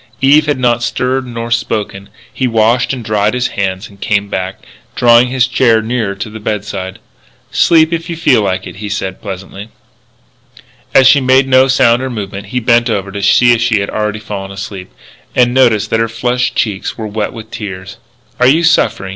Eve had not stirred nor spoken. He washed and dried his hands and came back, drawing his chair nearer to the bedside. "Sleep, if you feel like it," he said pleasantly. As she made no sound or movement he bent over to see if she had already fallen asleep. And noticed that her flushed cheeks were wet with tears. "Are you suffering?"